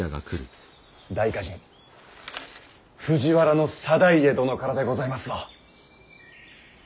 大歌人藤原定家殿からでございますぞ。